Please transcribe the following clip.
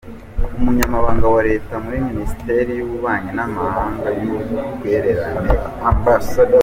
Umunyamabanga wa Leta muri Minisiteri y’ububanyi n’amahanga n’ubutwererane, Amb.